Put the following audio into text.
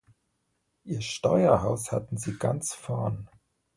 Ihr Steuerhaus hatten sie ganz vorn.